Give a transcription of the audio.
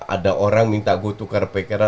ada orang minta gue tukar pikiran